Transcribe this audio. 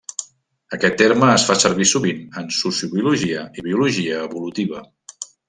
Aquest terme es fa servir sovint en sociobiologia i biologia evolutiva.